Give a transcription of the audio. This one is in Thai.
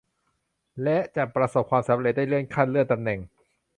และจะประสบความสำเร็จได้เลื่อนขั้นเลื่อนตำแหน่ง